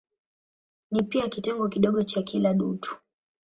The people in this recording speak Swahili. Ni pia kitengo kidogo cha kila dutu.